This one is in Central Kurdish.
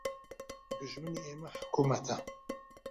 دوژمنی ئێمە حکومەتە